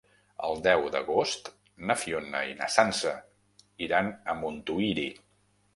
El deu d'agost na Fiona i na Sança iran a Montuïri.